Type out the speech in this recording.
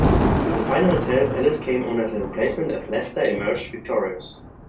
In the final itself Ellis came on as a replacement as Leicester emerged victorious.